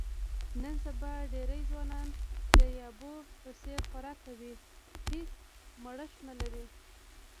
نن سبا ډېری ځوانان د یابو په څیر خوراک کوي، هېڅ مړښت نه لري.